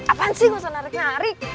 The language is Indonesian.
apaan sih gausah narik narik